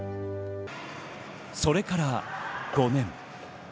それから５年。